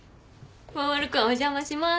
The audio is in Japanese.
守君お邪魔します。